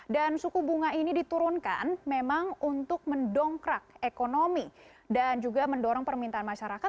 dan suku bunga ini diturunkan memang untuk mendongkrak ekonomi dan juga mendorong permintaan masyarakat